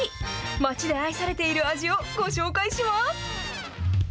町で愛されている味をご紹介します。